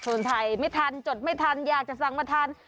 คนไทยไม่ทันจดไม่ทันอยากจะสั่งมาทาน